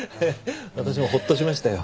私もほっとしましたよ。